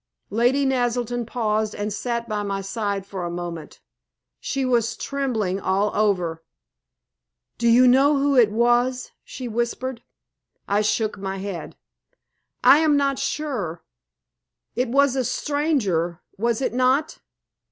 Lady Naselton paused and sat by my side for a moment. She was trembling all over. "Do you know who it was?" she whispered. I shook my head. "I am not sure. It was a stranger; was it not?"